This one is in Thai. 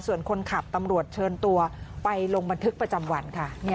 ส่วนคนขับตำรวจเชิญตัวไปลงบันทึกประจำวันค่ะ